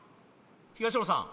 東野さん